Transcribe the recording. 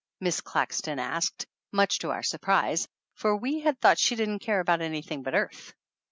Miss Claxton asked, much to our surprise, for we had thought she didn't care about anything but earth.